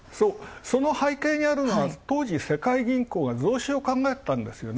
その背景にあるのは当時、世界銀行が増収を考えてたんです。